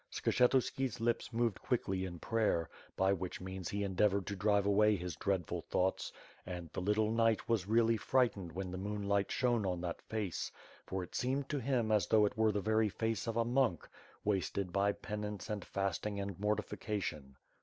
Skshetuski's lips moved quickly in prayer, by which means he endeavored to drive away his dreadful thoughts, and the little knight was really frightened when the moonlight shone on that face; for it seemed to him as though it were the very face of a monk, wasted by penance and fasting and mortifica tion.